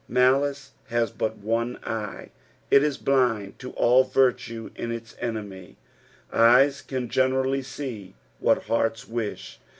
Halice has but one eye ; it is blind to oil virtue iu its enemy. Eyes can generally see what hearts wish.